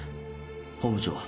本部長は？